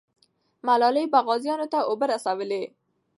ملالۍ به غازیانو ته اوبه رسولې.